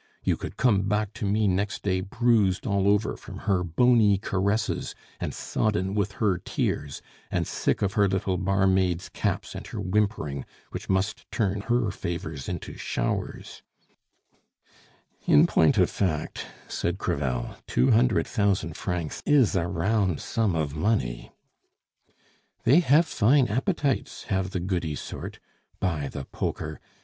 You could come back to me next day bruised all over from her bony caresses and sodden with her tears, and sick of her little barmaid's caps and her whimpering, which must turn her favors into showers " "In point of fact," said Crevel, "two hundred thousand francs is a round sum of money." "They have fine appetites, have the goody sort! By the poker!